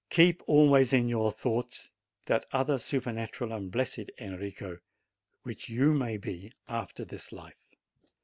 Keep always in your thoughts that other supernatural and blessed Enrico which you may be after this life.